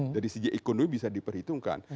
dari segi ekonomi bisa diperhitungkan